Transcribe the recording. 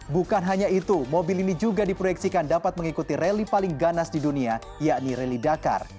bukan hanya itu mobil ini juga diproyeksikan dapat mengikuti rally paling ganas di dunia yakni rally dakar